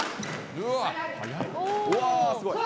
うわぁ、すごい。